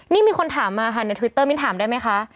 นี่มีคนถามมาค่ะในทวิตเตอร์มิ้นถามได้ไหมคะ